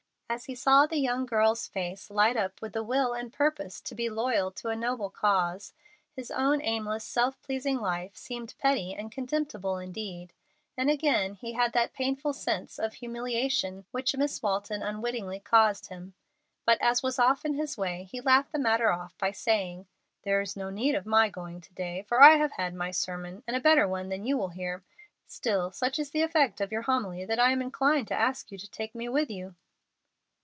As he saw the young girl's face light up with the will and purpose to be loyal to a noble cause, his own aimless, self pleasing life seemed petty and contemptible indeed, and again he had that painful sense of humiliation which Miss Walton unwittingly caused him; but, as was often his way, he laughed the matter off by saying, "There is no need of my going to day, for I have had my sermon, and a better one than you will hear. Still, such is the effect of your homily that I am inclined to ask you to take me with you."